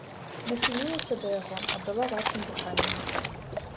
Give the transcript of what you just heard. Нахілілася да яго, абдала жаркім дыханнем.